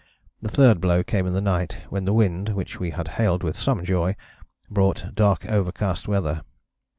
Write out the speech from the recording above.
The third blow came in the night, when the wind, which we had hailed with some joy, brought dark overcast weather.